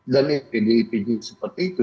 dari dpi seperti itu